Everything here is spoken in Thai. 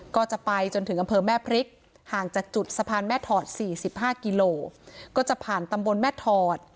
ก็จะไปจนถึงอำเภอแม่พริกห่างจากจุดสะพานแม่ถอด๔๕กิโลก็จะผ่านตำบลแม่ถอด